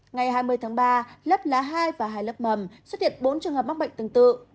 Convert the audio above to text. ngày hai mươi tháng ba lớp lá hai và hai lớp mầm xuất hiện bốn trường hợp mắc bệnh tương tự